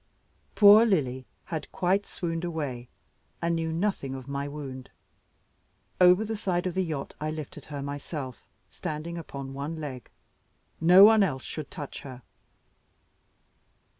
Poor Lily had quite swooned away, and knew nothing of my wound. Over the side of the yacht I lifted her myself, standing upon one leg. No one else should touch her.